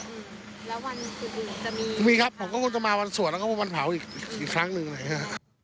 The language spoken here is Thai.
อืมแล้ววันสุดท้ายจะมีมีครับผมก็คงจะมาวันสวดแล้วก็วันเผาอีกอีกครั้งหนึ่งอะไรอย่างเงี้ย